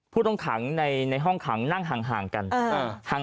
ผู้ต้องขังในห้องขังนั่งห่างกัน